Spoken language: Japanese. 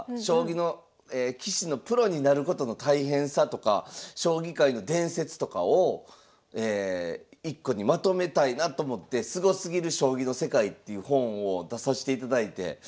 将棋の棋士のプロになることの大変さとか将棋界の伝説とかを一個にまとめたいなと思って「すごすぎる将棋の世界」っていう本を出さしていただいて。